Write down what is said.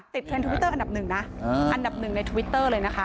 เทรนด์ทวิตเตอร์อันดับหนึ่งนะอันดับหนึ่งในทวิตเตอร์เลยนะคะ